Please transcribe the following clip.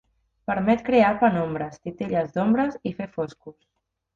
Permet crear penombres, titelles d'ombres i fer foscos.